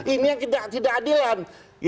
ini yang tidak adilan